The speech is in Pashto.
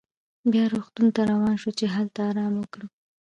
بیا روغتون ته روان شوو چې هلته ارام وکړو.